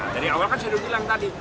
dari awal kan sudah bilang tadi